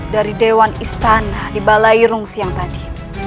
dari dewan istana di balairung siang tadi